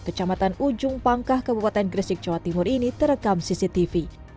kecamatan ujung pangkah kabupaten gresik jawa timur ini terekam cctv